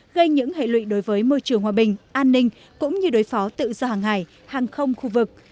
gây những hệ lụy đối với môi trường hòa bình an ninh cũng như đối phó tự do hàng hải hàng không khu vực